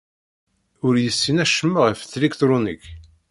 Ur yessin acemma ɣef tliktṛunit.